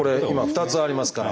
２つありますから。